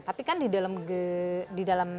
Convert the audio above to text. tapi kan di dalam